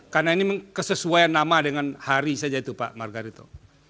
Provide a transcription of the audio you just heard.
karena ini kesesuaian nama dengan hari saja itu pak margarito